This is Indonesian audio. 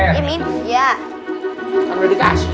kamu udah dikasih